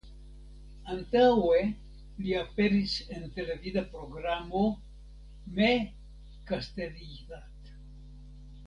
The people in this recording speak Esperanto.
Antaŭe li aperis en televida programo "Me kastelijat".